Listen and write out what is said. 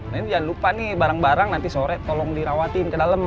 nah ini jangan lupa nih barang barang nanti sore tolong dirawatin ke dalam